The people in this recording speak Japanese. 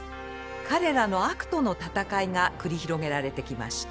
彼らの悪との戦いが繰り広げられてきました。